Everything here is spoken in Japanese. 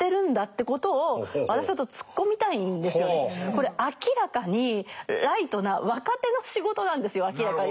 これ明らかにライトな若手の仕事なんですよ明らかに。